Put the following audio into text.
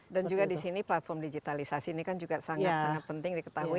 dan juga di sini platform digitalisasi ini kan juga sangat sangat penting diketahui